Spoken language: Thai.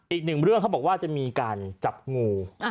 อีกหนึ่งเรื่องเขาบอกว่าจะมีการจับงู